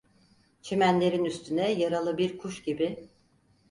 Çimenlerin üstüne yaralı bir kuş gibi...